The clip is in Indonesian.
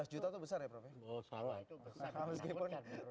sebelas juta itu besar ya prof ya